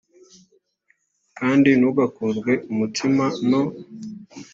kandi ntugakurwe umutima no